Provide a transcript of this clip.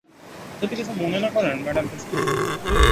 যদি কিছু মনে না করেন, ম্যাডাম প্রেসিডেন্ট!